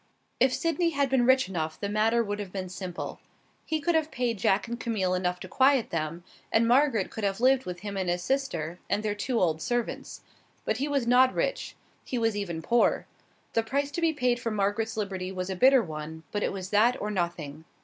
If Sydney had been rich enough, the matter would have been simple. He could have paid Jack and Camille enough to quiet them, and Margaret could have lived with him and his sister and their two old servants. But he was not rich; he was even poor. The price to be paid for Margaret's liberty was a bitter one, but it was that or nothing.